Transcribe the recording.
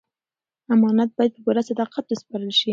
امانت باید په پوره صداقت وسپارل شي.